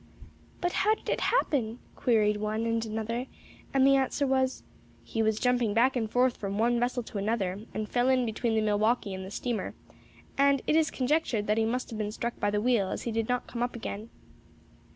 "But how did it happen?" queried one and another; and the answer was, "He was jumping back and forth from one vessel to another, and fell in between the Milwaukee and the steamer; and it is conjectured that he must have been struck by the wheel, as he did not come up again."